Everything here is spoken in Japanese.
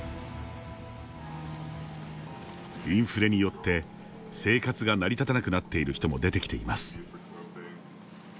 インフレによって、生活が成り立たなくなっている人も出てきています。